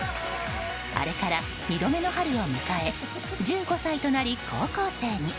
あれから２度目の春を迎え１５歳となり、高校生に。